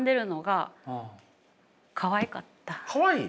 かわいい？